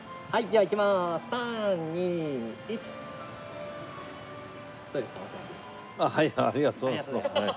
ああはいありがとう。